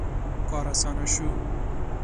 • کار آسانه شو.